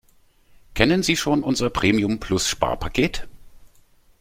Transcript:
Kennen Sie schon unser Premium-Plus-Sparpaket?